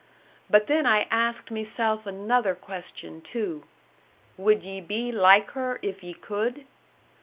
But then I asked meself another question, too Would ye be like her if ye could?